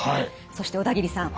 そして小田切さん